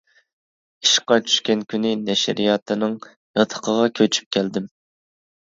ئىشقا چۈشكەن كۈنى نەشرىياتىنىڭ ياتىقىغا كۆچۈپ كەلدىم.